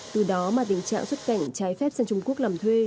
từ đó mà tình trạng xuất cảnh trái phép sang trung quốc làm thuê